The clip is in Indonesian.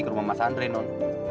ke rumah mas andre non